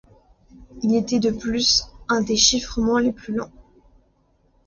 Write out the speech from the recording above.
Il était de plus un des chiffrements les plus lents.